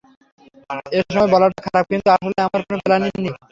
এসময় বলাটা খারাপ, কিন্তু আসলে আমার কোন প্ল্যানই নেই।